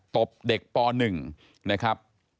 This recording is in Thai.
ตบเด็กป๑นะครับ